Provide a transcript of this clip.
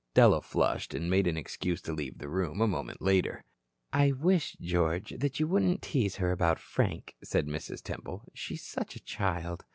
Della flushed, and made an excuse to leave the room a moment later. "I wish, George, that you wouldn't tease her about Frank," said Mrs. Temple. "She's such a child."